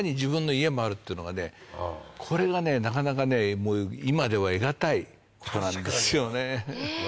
これがなかなか今では得難いことなんですよね。